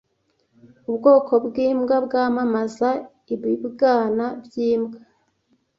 Ubwoko bwimbwa bwamamaza ibibwana byimbwa